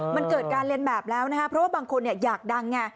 มันเกิดการเรียนแบบแล้วนะฮะเพราะว่าบางคนเนี่ยอยากดังอ่ะ